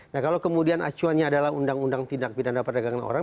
nah kalau kemudian acuannya adalah undang undang tindak pidana perdagangan orang